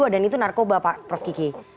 dan itu narkoba pak prof kiki